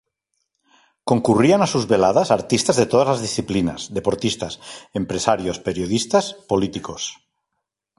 Concurrían a sus veladas artistas de todas las disciplinas, deportistas, empresarios, periodistas, políticos.